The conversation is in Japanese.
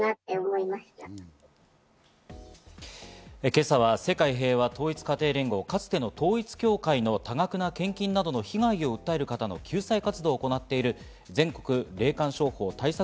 今朝は世界平和統一家庭連合、かつての統一教会の多額な献金などの被害を訴える方の救済活動を行っている、全国霊感商法対策